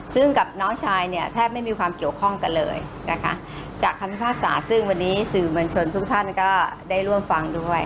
ซึ่งกับน้องชายเนี่ยแทบไม่มีความเกี่ยวข้องกันเลยนะคะจากคำพิพากษาซึ่งวันนี้สื่อมวลชนทุกท่านก็ได้ร่วมฟังด้วย